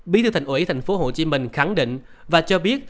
bí thư thành ủy tp hcm khẳng định và cho biết